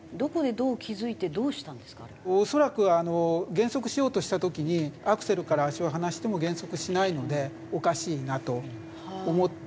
恐らくあの減速しようとした時にアクセルから足を離しても減速しないのでおかしいなと思って。